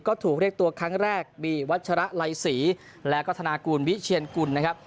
ก็ถูกเรียกตัวครั้งแรกมีวัชระไลศรีแล้วก็ธนากูลวิเชียนกุลนะครับ